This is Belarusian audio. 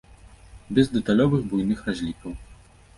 Без дэталёвых буйных разлікаў.